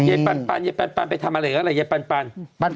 เย็นปันเย็นปันไปทำอะไรกันอะไรเย็นปัน